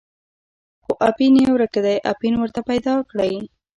خو اپین یې ورک دی، اپین ورته پیدا کړئ.